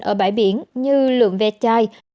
ở bãi biển như lượng ve chai